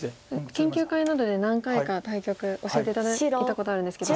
研究会などで何回か対局教えて頂いたことあるんですけど。